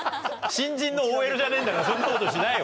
新人のＯＬじゃねえんだからそんなことしないよ。